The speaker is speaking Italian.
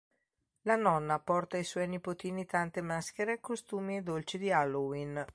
La nonna porta ai suoi nipotini tante maschere, costumi e dolci di Halloween.